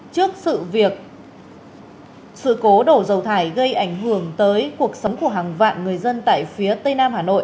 trước sự việc sự cố đổ dầu thải gây ảnh hưởng tới cuộc sống của hàng vạn người dân tại phía tây nam hà nội